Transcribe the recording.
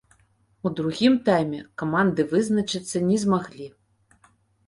У другім тайме каманды вызначыцца не змаглі.